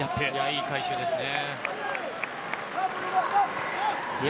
いい回収ですね。